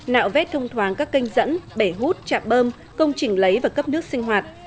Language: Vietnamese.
nạo vét thông thoáng các kênh dẫn bể hút trạm bơm công trình lấy và cấp nước sinh hoạt